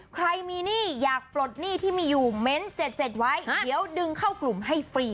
ใครมีหนี้อยากปลดหนี้ที่มีอยู่เม้น๗๗ไว้เดี๋ยวดึงเข้ากลุ่มให้ฟรี